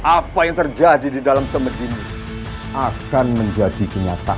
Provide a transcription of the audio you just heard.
apa yang terjadi di dalam temudimu akan menjadi kenyataan